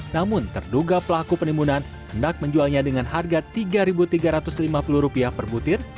namun terduga pelaku penimbunan hendak menjualnya dengan harga rp tiga tiga ratus lima puluh per butir